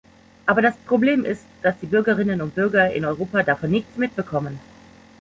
Aber das Problem ist, dass die Bürgerinnen und Bürger in Europa davon nichts mitbekommen.